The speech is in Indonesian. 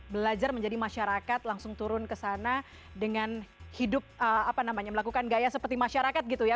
belajar menjadi masyarakat langsung turun kesana dengan hidup melakukan gaya seperti masyarakat gitu ya